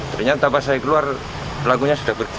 ternyata pas saya keluar pelakunya sudah pergi